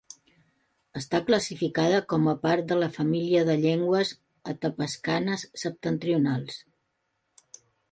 Està classificada com a part de la família de llengües atapascanes septentrionals.